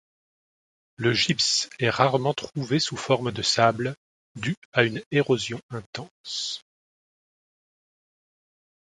Le gypse est rarement trouvé sous forme de sable, due à une érosion intense.